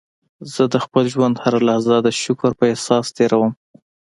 زه د خپل ژوند هره لحظه د شکر په احساس تېرووم.